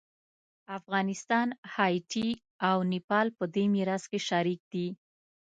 افغانستان، هایټي او نیپال په دې میراث کې شریک دي.